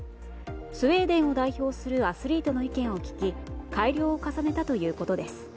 スウェーデンを代表するアスリートの意見を聞き改良を重ねたということです。